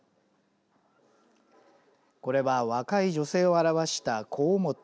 これは若い女性を表した小面。